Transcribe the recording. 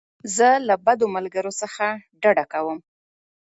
زه له بدو ملګرو څخه ډډه کوم.